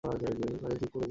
কাজেই চুপ করে যেতে হল।